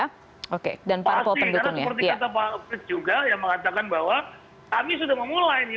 pasti karena seperti kata pak juga yang mengatakan bahwa kami sudah memulai nih